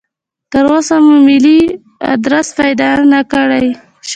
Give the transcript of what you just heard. تراوسه مو ملي ادرس پیدا نکړای شو.